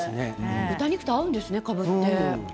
豚肉と合うんですねかぶって。